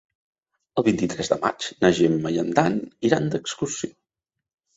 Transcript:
El vint-i-tres de maig na Gemma i en Dan iran d'excursió.